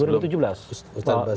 ustadz bakhtir nasi